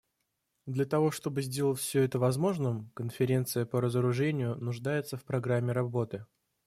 Для того чтобы сделать все это возможным, Конференция по разоружению нуждается в программе работы.